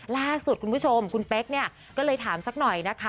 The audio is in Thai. ล่าสุดคุณผู้ชมคุณเป๊กเนี่ยก็เลยถามสักหน่อยนะคะ